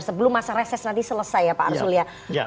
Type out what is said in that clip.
sebelum masa reses nanti selesai ya pak arsul ya